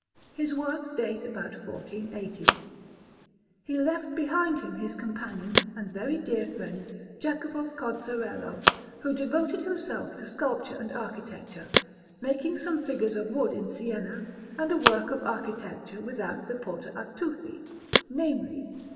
His works date about 1480. He left behind him his companion and very dear friend, Jacopo Cozzerello, who devoted himself to sculpture and architecture, making some figures of wood in Siena, and a work of architecture without the Porta a Tufi namely, S.